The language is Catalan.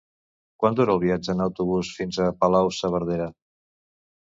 Quant dura el viatge en autobús fins a Palau-saverdera?